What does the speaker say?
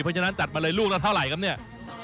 เพราะฉะนั้นจัดมาเลยลูกละเท่าไหร่ครับเนี่ย